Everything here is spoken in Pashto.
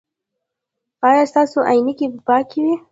ایا ستاسو عینکې به پاکې وي؟